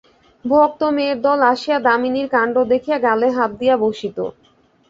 ভক্ত মেয়ের দল আসিয়া দামিনীর কাণ্ড দেখিয়া গালে হাত দিয়া বসিত।